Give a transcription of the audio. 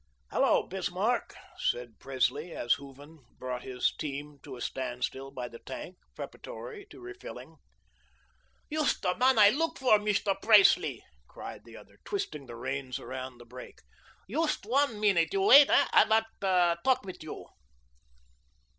"Hello, Bismarck," said Presley, as Hooven brought his team to a standstill by the tank, preparatory to refilling. "Yoost der men I look for, Mist'r Praicely," cried the other, twisting the reins around the brake. "Yoost one minute, you wait, hey? I wanta talk mit you."